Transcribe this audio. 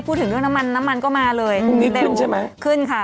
พูดถึงเรื่องน้ำมันน้ำมันก็มาเลยพรุ่งนี้ขึ้นใช่ไหมขึ้นค่ะ